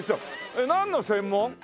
えっなんの専門？